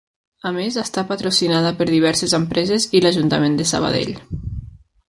A més, està patrocinada per diverses empreses i l'Ajuntament de Sabadell.